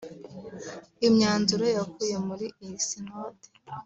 Imyanzuro yavuye muri iyi Sinode